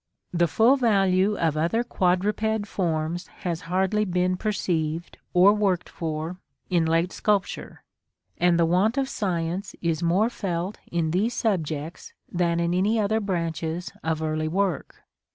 The full value of other quadruped forms has hardly been perceived, or worked for, in late sculpture; and the want of science is more felt in these subjects than in any other branches of early work.